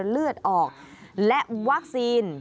เลือดออกและวัคซีน